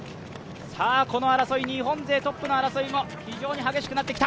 この争い、日本勢トップ争いも非常に激しくなってきた。